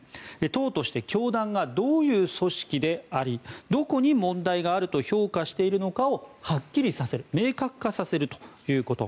党として教団がどういう組織でありどこに問題があると評価しているのかをはっきりさせる明確化させるということ。